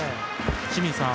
清水さん。